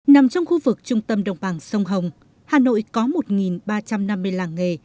nằm trong khu vực trung tâm đồng bằng sông hồng hà nội có một ba trăm năm mươi làng nghề